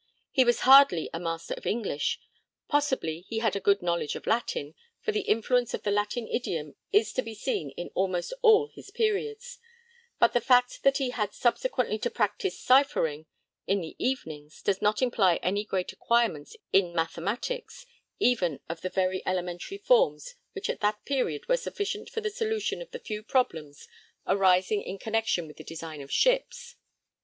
He was hardly a master of English; possibly he had a good knowledge of Latin, for the influence of the Latin idiom is to be seen in almost all his periods; but the fact that he had subsequently to practise 'cyphering' in the evenings does not imply any great acquirements in mathematics, even of the very elementary forms which at that period were sufficient for the solution of the few problems arising in connection with the design of ships.